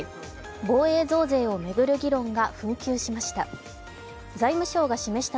防衛増税を巡る議論が紛糾しました。